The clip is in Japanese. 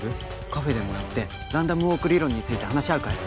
カフェでも寄ってランダム・ウォーク理論について話し合うかい？